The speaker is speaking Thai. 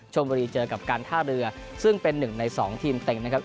ชมบุรีเจอกับการท่าเรือซึ่งเป็นหนึ่งในสองทีมเต็งนะครับ